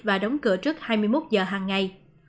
và đóng cửa trước hai mươi một giờ hàng ngày